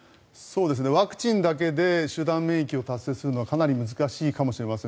ワクチンだけで集団免疫を達成するのはかなり難しいかもしれません。